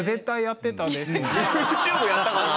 ＹｏｕＴｕｂｅやったかな？